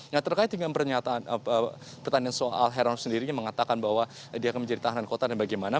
nah terkait dengan pernyataan soal heron sendiri mengatakan bahwa dia akan menjadi tahanan kota dan bagaimana